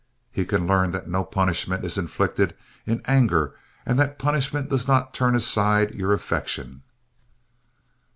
He can learn that no punishment is inflicted in anger and that punishment does not turn aside your affection."